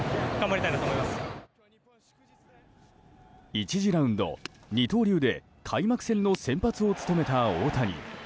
１次ラウンド、二刀流で開幕戦の先発を務めた大谷。